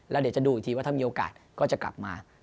แล้วเดี๋ยวจะดูอีกทีว่าถ้ามีโอกาสก็จะกลับมา